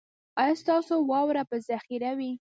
ایا ستاسو واوره به ذخیره وي؟